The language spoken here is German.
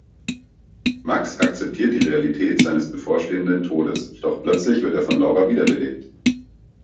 Max akzeptiert die Realität seines bevorstehenden Todes, doch plötzlich wird er von Laura wiederbelebt.